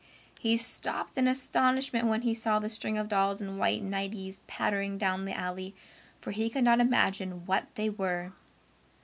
He stopped in astonishment when he saw the string of dolls in white nighties pattering down the alley, for he could not imagine what they were.